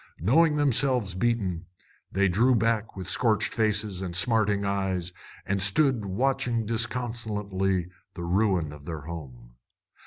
Knowing themselves beaten, they drew back with scorched faces and smarting eyes and stood watching disconsolately the ruin of their home.